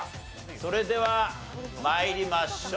それでは参りましょう。